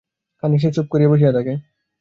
খানিক সে চুপ করিয়া বসিয়া থাকে।